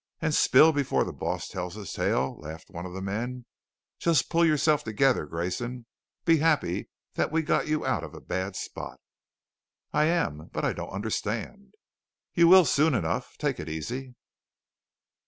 "And spill before the boss tells his tale?" laughed one of the men. "Just pull yourself together, Grayson. Be happy that we got you out of a bad spot." "I am, but I don't understand." "You will soon enough. Take it easy."